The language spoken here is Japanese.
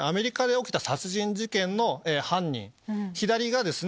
左がですね